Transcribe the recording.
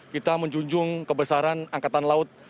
kita menjunjung kebesaran angkatan laut